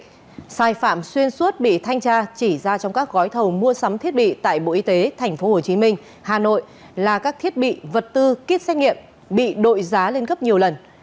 các sai phạm xuyên suốt bị thanh tra chỉ ra trong các gói thầu mua sắm thiết bị tại bộ y tế tp hcm hà nội là các thiết bị vật tư kit xét nghiệm bị đội giá lên gấp nhiều lần